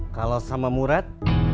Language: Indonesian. kalau sama murad